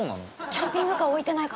キャンピングカー置いてないかな？